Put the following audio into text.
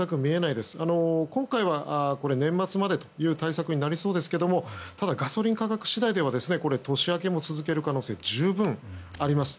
今回は年末までという対策になりそうですけれどもただ、ガソリン価格次第では年明けも続く可能性十分あります。